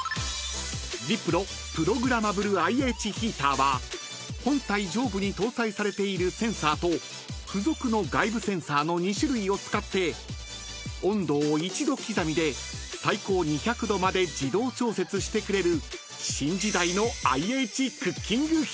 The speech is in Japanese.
［ＲｅｐｒｏプログラマブルＩＨヒーターは本体上部に搭載されているセンサーと付属の外部センサーの２種類を使って温度を１℃刻みで最高２００℃まで自動調節してくれる］